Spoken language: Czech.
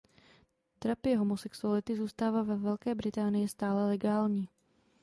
Terapie homosexuality zůstává ve Velké Británii stále legální.